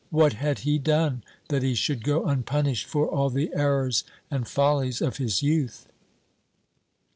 What had he done, that he should go unpunished for all the errors and follies of his youth?